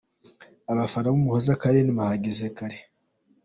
Abafana ba Umuhoza Karen bahageze kare.